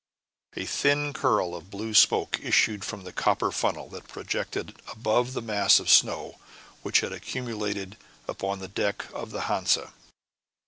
A thin curl of blue smoke issued from the copper funnel that projected above the mass of snow which had accumulated upon the deck of the Hansa.